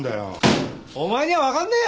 お前にはわかんねえよ！